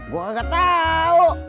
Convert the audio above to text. gue kagak tau